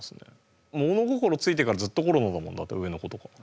物心付いてからずっとコロナだもんだって上の子とか。